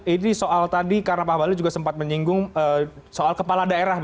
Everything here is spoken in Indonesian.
ini soal tadi karena pak bahlil juga sempat menyinggung soal kepala daerah